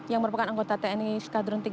yang merupakan anggota tni sekadron tiga puluh dua